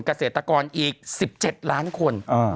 เกษตรกรอีก๑๗ล้านคน